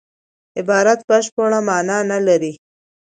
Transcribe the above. عبارت بشپړه مانا نه لري.